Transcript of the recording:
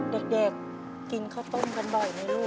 เด็กกินข้าวต้มกันบ่อยไหมลูก